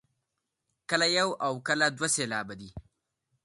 کله یو او کله دوه سېلابه دی.